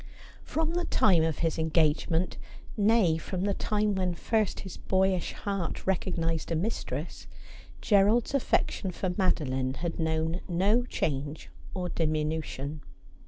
From the time of his engagement— nay, from the time when first his boyish heart recognised a mistress — Gerald's afEection for Madoline had known no change or diminution.